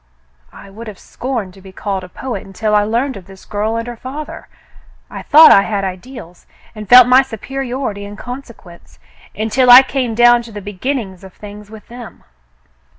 I would have scorned to be called a poet until I learned of this girl and her father. I thought I had ideals, and felt my superiority in consequence, until I came down to the beginnings of things with them."